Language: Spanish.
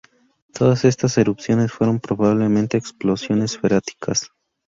Todas estas erupciones fueron probablemente explosiones freáticas.